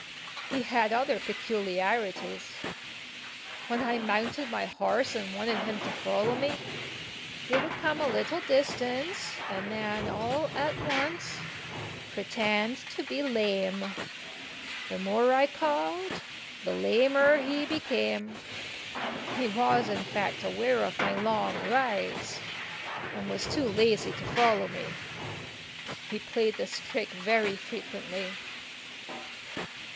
He had other peculiarities. When I mounted my horse and wanted him to follow me, he would come a little distance, and then all at once pretend to be lame. The more I called the lamer he became. He was, in fact, aware of my long rides, and was too lazy to follow me. He played this trick very frequently.